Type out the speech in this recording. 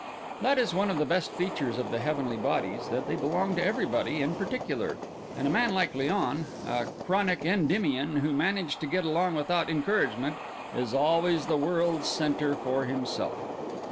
That is one of the best features of the heavenly bodies, that they belong to everybody in particular; and a man like Léon, a chronic Endymion who managed to get along without encouragement, is always the world's centre for himself.